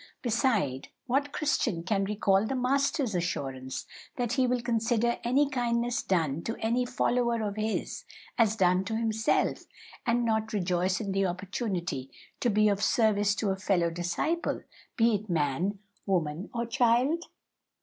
Beside, what Christian can recall the Master's assurance that He will consider any kindness done to any follower of His as done to Himself, and not rejoice in the opportunity to be of service to a fellow disciple, be it man, woman, or child?"